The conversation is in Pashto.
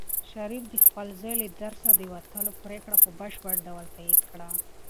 شریف د خپل زوی له درسه د وتلو پرېکړه په بشپړ ډول تایید کړه.